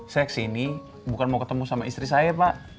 saya kesini bukan mau ketemu sama istri saya pak